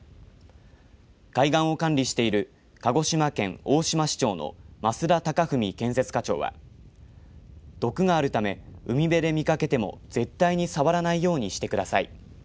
海岸を管理している鹿児島県大島支庁の増田貴文建設課長は毒があるため、海辺で見かけても絶対に触らないようにしてください。